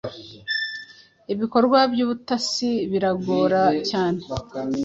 ibikorwa by'ubutasi biragora cyane